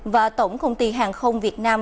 và tổng công ty hàng không việt nam